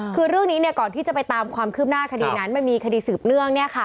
คือเรื่องนี้ก่อนที่จะไปตามความคืบหน้าคดีนั้นมันมีคดีสืบเนื่อง